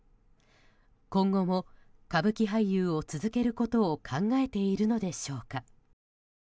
今後も歌舞伎俳優を続けることを考えているのでしょうか。